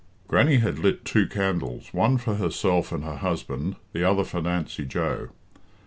Grannie had lit two candles one for herself and her husband, the other for Nancy Joe.